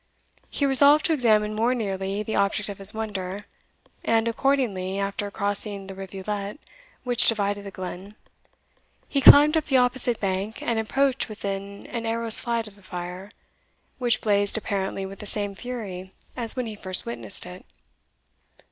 He resolved to examine more nearly the object of his wonder; and, accordingly after crossing the rivulet which divided the glen, he climbed up the opposite bank, and approached within an arrow's flight of the fire, which blazed apparently with the same fury as when he first witnessed it.